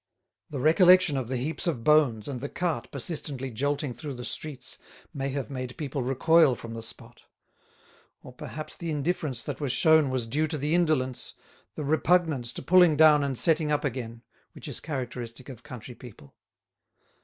The recollection of the heaps of bones and the cart persistently jolting through the streets may have made people recoil from the spot; or perhaps the indifference that was shown was due to the indolence, the repugnance to pulling down and setting up again, which is characteristic of country people.